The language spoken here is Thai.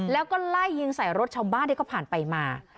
แล้วก็ไล่ยิงใส่รถชาวบ้านที่เขาผ่านไปมา